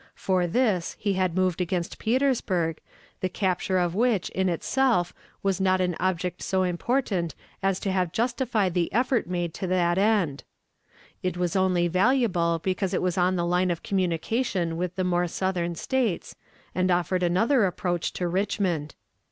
For this he had moved against Petersburg, the capture of which in itself was not an object so important as to have justified the effort made to that end. It was only valuable because it was on the line of communication with the more southern States, and offered another approach to Richmond.